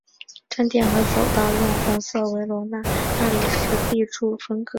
正殿和走道用红色维罗纳大理石壁柱分隔。